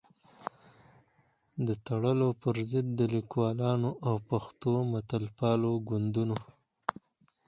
د تړلو پر ضد د ليکوالانو او پښتنو ملتپالو ګوندونو